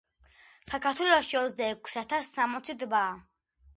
საქართველოში ოცდა ექვსი ათას სამოცი ტბაა